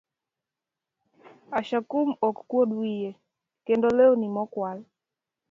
Ashakum ok kuod wiye, kendo lewni mokwal